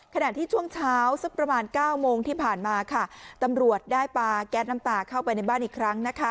ขณะที่ช่วงเช้าสักประมาณ๙โมงที่ผ่านมาค่ะตำรวจได้ปลาแก๊สน้ำตาเข้าไปในบ้านอีกครั้งนะคะ